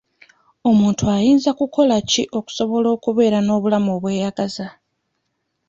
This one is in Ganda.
Omuntu ayinza kukola ki okusobola okubeera n'obulamu obweyagaza?